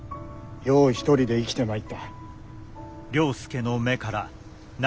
よう一人で生きてまいった。